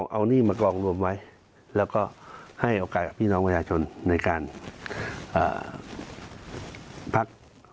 เอาหนี้มากองรวมไว้แล้วก็ให้โอกาสกับพี่น้องประชาชนในการพัก